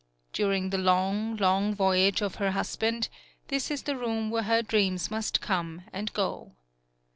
During the long, long voyage of her husband, this is the room where her dreams must come and go.